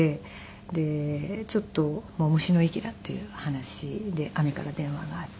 でちょっともう虫の息だという話で姉から電話があって。